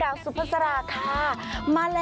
รับงานสักนิดหนึ่งนะคะเพราะว่าช่วงนี้